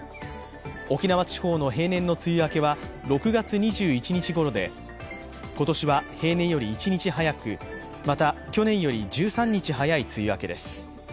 沖縄地方の平年の梅雨明けは６月２１日ごろで今年は平年より１日早く、また、去年より１３日早い梅雨明けです。